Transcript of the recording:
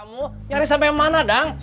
kamu nyari sampe mana dang